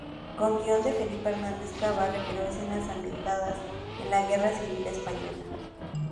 Con guion de Felipe Hernández Cava, recreó escenas ambientadas en la Guerra Civil Española.